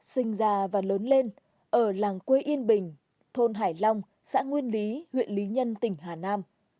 sinh già và lớn lên ở làng quê yên bình thôn hải long xã nguyên lý huyện lý nhân tỉnh hà nam